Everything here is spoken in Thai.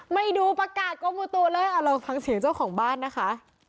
ไม่ดูประกาศกรมตัวเลยเอาลองฟังเสียงเจ้าของบ้านนะคะ